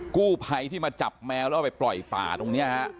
กู้ไพที่มาจับแมวแล้วไปปล่อยป่าตรงนี้